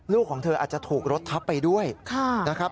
ของเธออาจจะถูกรถทับไปด้วยนะครับ